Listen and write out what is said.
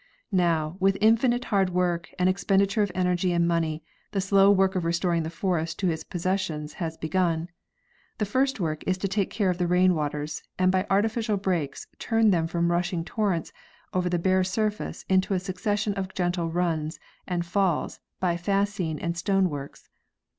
Now, with infinite hard work and expenditure of energy and money, the slow work of restoring the forest to its possessions has begun. The first work is to take care of the rain waters, and by artificial breaks turn them from rushing torrents over the bare surface into a succes sion of gentle runs and falls by fascine and stone works.